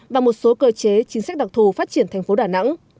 và một số cơ chế chính sách đặc thù phát triển thành phố đà nẵng